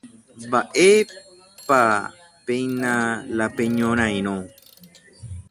¡Mba'épapeína la peñorairõ!